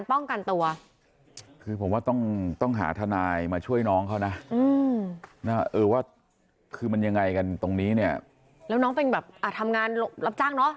น้องเป็นแบบทำงานรับจ้างเนอะ